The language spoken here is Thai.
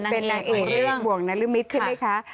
เป็นนางเอกบ่วงนรมิตใช่ไหมคะ